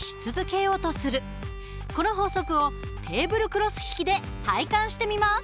この法則をテーブルクロス引きで体感してみます。